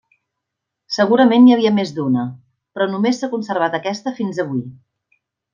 Segurament n'hi havia més d'una, però només s'ha conservat aquesta fins avui.